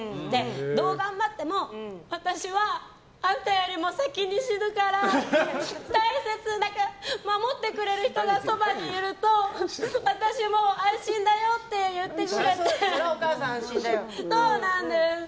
どう頑張っても私はあんたより先に死ぬから守ってくれる人がそばにいると私も安心だよって言ってくれて。